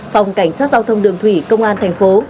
phòng cảnh sát giao thông đường thủy công an thành phố